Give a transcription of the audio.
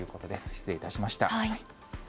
失礼いたしました。